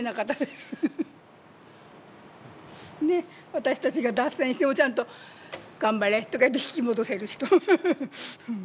私たちが脱線してもちゃんと「頑張れ」とか言って引き戻せる人。